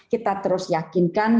kita terus yakinkan